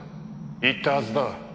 言ったはずだ